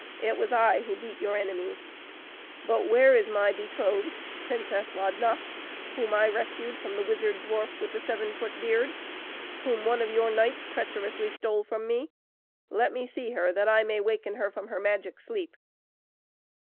it was I who beat your enemies. But where is my betrothed, Princess Ladna, whom I rescued from the wizard dwarf, with the seven foot beard? whom one of your knights treacherously stole from me? Let me see her, that I may waken her from her magic sleep."